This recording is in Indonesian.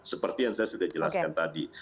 seperti yang saya sudah jelaskan tadi